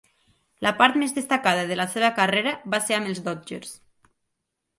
La part més destacada de la seva carrera va ser amb els Dodgers.